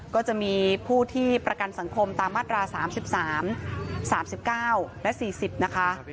ก็จะมีผู้ที่ประกันสังคมตามมาตรา๓๓๙และ๔๐นะคะ